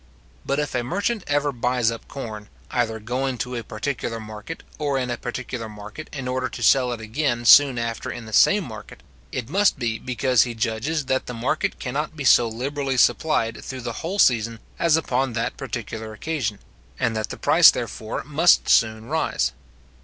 But if a merchant ever buys up corn, either going to a particular market, or in a particular market, in order to sell it again soon after in the same market, it must be because he judges that the market cannot be so liberally supplied through the whole season as upon that particular occasion, and that the price, therefore, must soon rise.